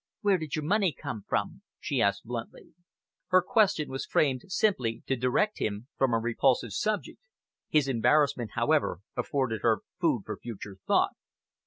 "Where did your money come from?" she asked bluntly. Her question was framed simply to direct him from a repulsive subject. His embarrassment, however, afforded her food for future thought.